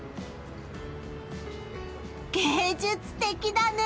芸術的だね！